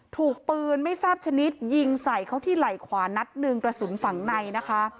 ถูกปืนไม่ทราบชนิดยิงใส่เขาที่ไหล่ขวานัดหนึ่งกระสุนฝั่งในนะคะ